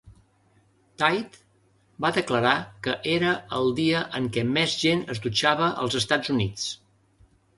Tide va declarar que era el dia en què més gent es dutxava als Estats Units.